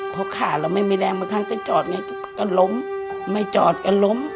พอขาดแล้วไม่มีแรงประคังก็จอดไงก็ล้มไม่จอดก็ล้ม